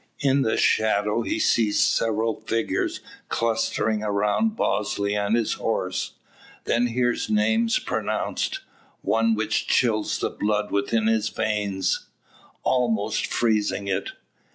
In the shadow he sees several figures clustering around Bosley and his horse; then hears names pronounced, one which chills the blood within his veins almost freezing it.